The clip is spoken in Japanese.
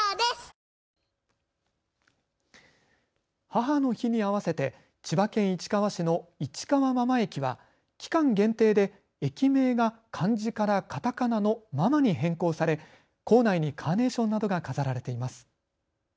母の日に合わせて千葉県市川市の市川真間駅は期間限定で駅名が漢字からカタカナのママに変更され構内にカーネーションなどが飾られています。